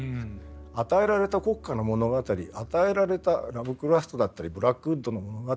与えられた国家の物語与えられたラヴクラフトだったりブラックウッドの物語